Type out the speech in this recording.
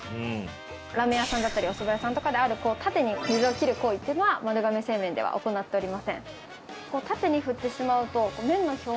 ラーメン屋さんだったりおそば屋さんとかである縦に水を切る行為っていうのは丸亀製麺では行っておりません。